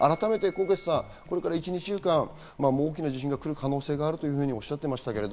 纐纈さん、これから１２週間、大きな地震が来る可能性があるとおっしゃっていました。